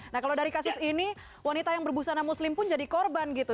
nah kalau dari kasus ini wanita yang berbusana muslim pun jadi korban gitu